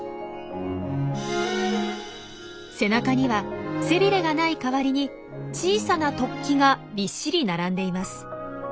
背中には背びれがない代わりに小さな突起がびっしり並んでいます。